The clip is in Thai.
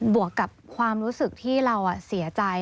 วกกับความรู้สึกที่เราเสียใจ